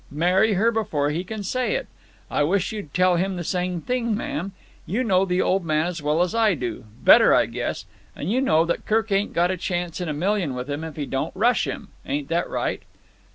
Marry her before he can say it.' I wish you'd tell him the same thing, ma'am. You know the old man as well as I do—better, I guess—and you know that Kirk ain't got a chance in a million with him if he don't rush him. Ain't that right?"